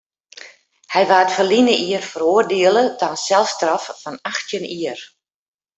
Hy waard ferline jier feroardiele ta in selstraf fan achttjin jier.